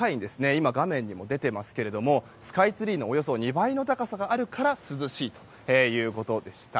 今、画面でも出ていますがスカイツリーのおよそ２倍の高さがあるから涼しいということでした。